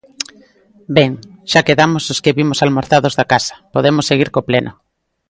Ben, xa quedamos os que vimos almorzados da casa, podemos seguir co pleno.